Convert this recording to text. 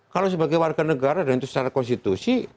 kalau sebagai warga negara dan itu secara konstitusi